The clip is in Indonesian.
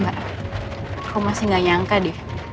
aku masih gak nyangka deh